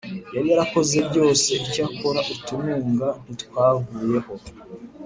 yari yarakoze byose Icyakora utununga ntitwavuyeho